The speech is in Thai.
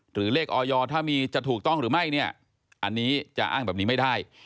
หรือเลขออยถ้ามีจะถูกต้องหรือไม่เนี่ยอันนี้จะอ้างแบบนี้ไม่ได้